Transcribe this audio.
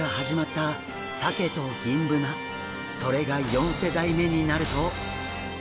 それが４世代目になると。